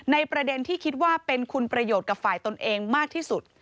ประเด็นที่คิดว่าเป็นคุณประโยชน์กับฝ่ายตนเองมากที่สุด